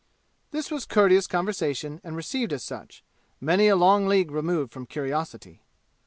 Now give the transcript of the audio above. This was courteous conversation and received as such many a long league removed from curiosity.